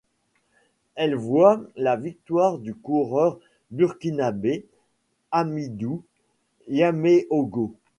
Elle voit la victoire du coureur burkinabé Hamidou Yaméogo.